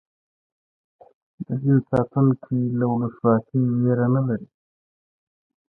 د دین ساتونکي له ولسواکۍ وېره نه لري.